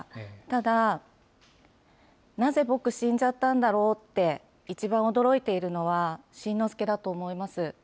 ただ、なぜ、僕、死んじゃったんだろうと一番驚いているのは、慎之介だと思います。